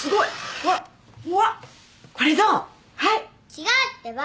違うってば！